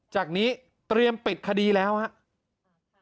จากนี้เตรียมปิดคดีแล้วครับ